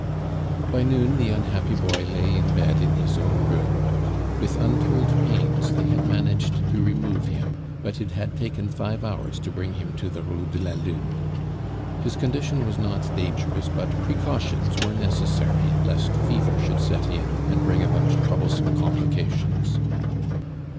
By noon the unhappy boy lay in bed in his own room. With untold pains they had managed to remove him, but it had taken five hours to bring him to the Rue de la Lune. His condition was not dangerous, but precautions were necessary lest fever should set in and bring about troublesome complications.